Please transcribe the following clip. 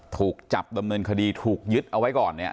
ถูกจับดำเนินคดีถูกยึดเอาไว้ก่อนเนี่ย